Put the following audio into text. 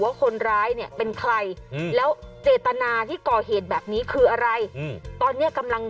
แต่สิ่งที่ทำได้คือประชาสัมพันธุ์ให้ชาวบ้านระมัดระวัง